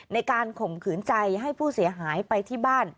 ข่มขืนใจให้ผู้เสียหายไปที่บ้าน